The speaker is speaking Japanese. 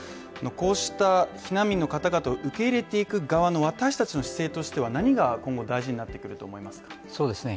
こうした避難民の方々を受け入れていく側の私達の姿勢としては何が今後大事になってくると思いますか。